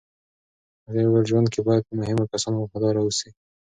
هغې وویل، ژوند کې باید په مهمو کسانو وفادار اوسې.